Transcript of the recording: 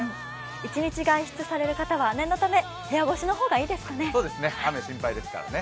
一日外出される方は念のため部屋干しの方がいいですね。